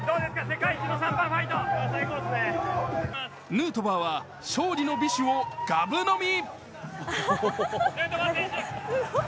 ヌートバーは勝利の美酒をがぶ飲み。